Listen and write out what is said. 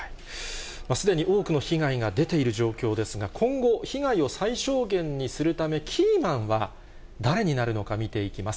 すでに多くの被害が出ている状況ですが、今後、被害を最小限にするため、キーマンは誰になるのか見ていきます。